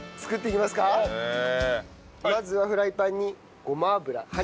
まずはフライパンにごま油半量。